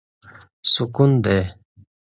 سکون دی.